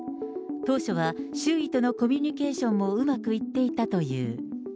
当初は周囲とのコミュニケーションもうまくいっていたという。